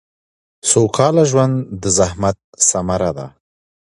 سوکاله ژوند د زحمت ثمره ده